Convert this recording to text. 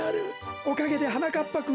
おかけではなかっぱくんはマメ